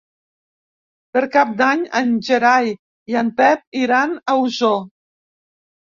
Per Cap d'Any en Gerai i en Pep iran a Osor.